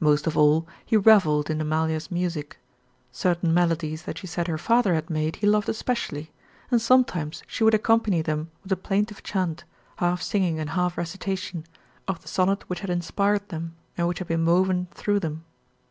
Most of all he reveled in Amalia's music. Certain melodies that she said her father had made he loved especially, and sometimes she would accompany them with a plaintive chant, half singing and half recitation, of the sonnet which had inspired them, and which had been woven through them.